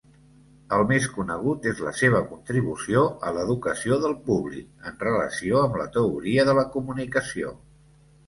El més conegut és la seva contribució a l'educació del públic, en relació amb la teoria de la comunicació.